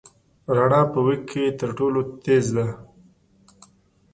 رڼا په وېګ کې تر ټولو تېز ده.